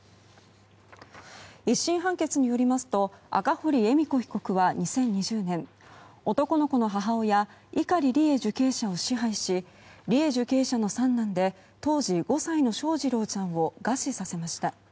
１審判決によりますと赤堀恵美子被告は２０２０年、男の子の母親碇利恵受刑者を支配し利恵受刑者の三男で当時５歳の翔士郎ちゃんを餓死させました。